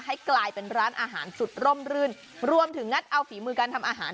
ให้กลายเป็นร้านอาหารสุดร่มรื่นรวมถึงงัดเอาฝีมือการทำอาหาร